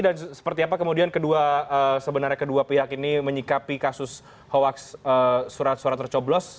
dan seperti apa kemudian sebenarnya kedua pihak ini menyikapi kasus hoax surat surat tercoblos